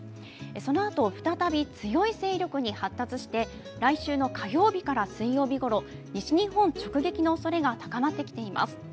そのあと再び強い勢力に発達して来週の火曜日から水曜日ごろ西日本直撃のおそれが高まってきています。